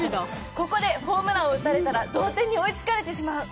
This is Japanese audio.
ここでホームランを打たれたら同点に追いつかれてしまう。